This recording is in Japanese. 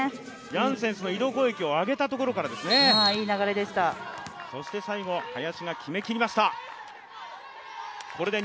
ヤンセンスの移動攻撃を上げたところからでしたね。